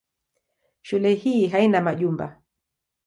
Shule hii hana majumba.